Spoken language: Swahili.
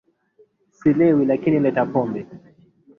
tekelezi kile ambacho nchi nyingi zinataka na afrika ikiwa moja wapo ni